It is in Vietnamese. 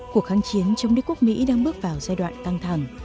quang chiến chống đế quốc mỹ đang bước vào giai đoạn căng thẳng